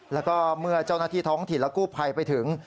แล้วก็เมื่อเจ้าหน้าที่ท้องถิ่นและกู้ภัยไปถึง